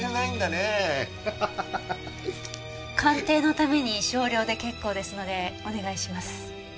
鑑定のために少量で結構ですのでお願いします。